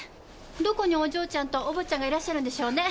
どこにお嬢ちゃんとお坊っちゃんがいらっしゃるんでしょうね。